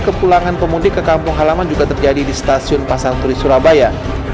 kepulangan pemudik ke kampung halaman juga terjadi di stasiun pasar turi surabaya